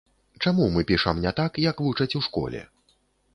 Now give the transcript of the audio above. Чаму мы пішам не так, як вучаць у школе?